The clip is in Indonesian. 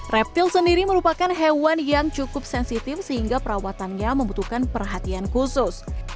reptil sendiri merupakan hewan yang cukup sensitif sehingga perawatannya membutuhkan perhatian khusus